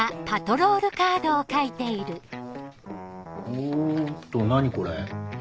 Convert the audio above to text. おっと何これ。